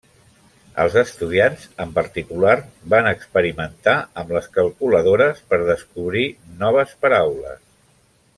Els estudiants, en particular, van experimentar amb les calculadores per descobrir noves paraules.